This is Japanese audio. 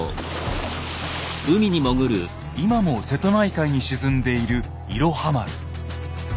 今も瀬戸内海に沈んでいる「いろは丸」。